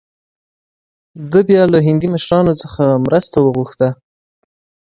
ده له هندي مشرانو څخه مرسته وغوښته.